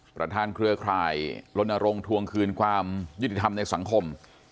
ประทานเครือคลายรนารงก์ทวงคืนความยืดิธรรมในสังคม